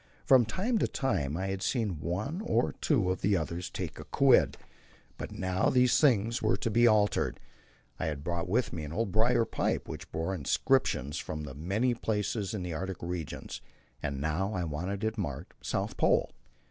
From time to time I had seen one or two of the others take a quid, but now these things were to be altered. I had brought with me an old briar pipe, which bore inscriptions from many places in the Arctic regions, and now I wanted it marked "South Pole."